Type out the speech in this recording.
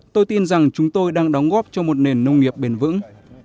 tôi tin rằng chúng tôi đang đóng góp cho một nền nông nghiệp bền vững